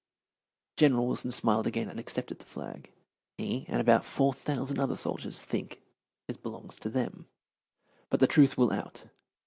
General Wilson smiled again and accepted the flag. He and about four thousand other soldiers think it belongs to them. But the truth will out.